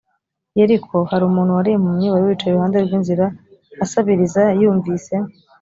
yeriko hari umuntu wari impumyi wari wicaye iruhande rw inzira asabiriza yumvise